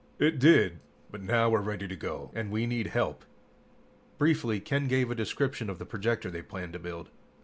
"It did, but now we're ready to go, and we need help." Briefly, Ken gave a description of the projector they planned to build.